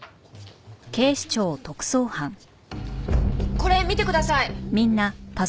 これ見てください！